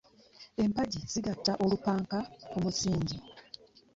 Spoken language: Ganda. Empagi zigatta olupanka ku musingi.